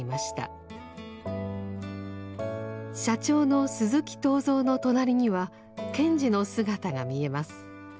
社長の鈴木東蔵の隣には賢治の姿が見えます。